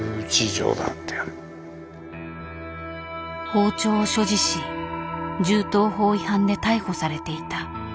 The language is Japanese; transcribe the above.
包丁を所持し銃刀法違反で逮捕されていた。